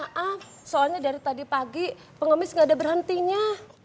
maaf soalnya dari tadi pagi pengemis gak ada berhentinya